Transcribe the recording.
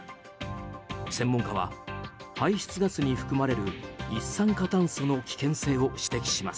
専門家は排出ガスに含まれる一酸化炭素の危険性を指摘します。